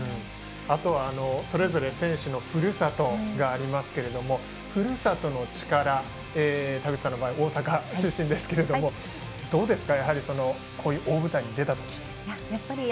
あとはそれぞれ選手のふるさとがありますけどもふるさとの力、田口さんの場合は大阪出身ですけどもどうですか、こういう大舞台に出たときは。